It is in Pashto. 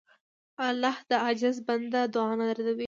الله د عاجز بنده دعا نه ردوي.